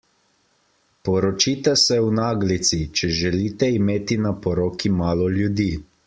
Poročite se v naglici, če želite imeti na poroki malo ljudi.